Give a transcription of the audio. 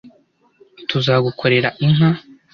Tuzagukorera inka.